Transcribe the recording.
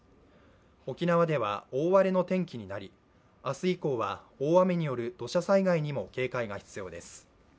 沖縄では大荒れの天気になり、明日以降は大雨による土砂災害にも形骸が必要です。